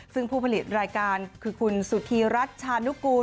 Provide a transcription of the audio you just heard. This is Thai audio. ซึ่งผู้ผลิตรายการคือคุณสุธีรัชชานุกูล